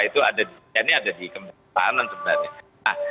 itu ada di tni ada di kementerian pertahanan sebenarnya